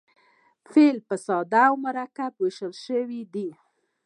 فعل پر ساده او مرکب وېشل سوی دئ.